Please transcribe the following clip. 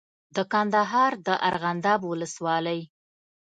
د کندهار د ارغنداب ولسوالۍ